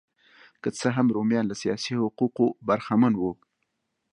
که څه هم رومیان له سیاسي حقونو برخمن وو